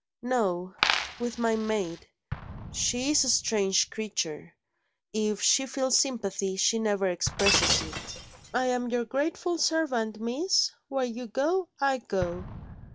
"No with my maid. She is a strange creature; if she feels sympathy, she never expresses it. 'I am your grateful servant, Miss. Where you go, I go.'